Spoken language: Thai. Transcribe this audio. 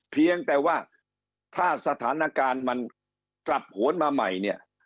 เพียงแต่ว่าถ้าสถานการณ์มันกลับหวนมาใหม่เนี่ย